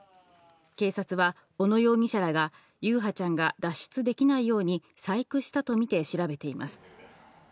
警察は小野容疑者らが、優陽ちゃんが脱出できないように細工したと見て調べています。